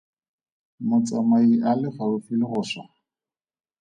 Motsamai a le gaufi le go swa?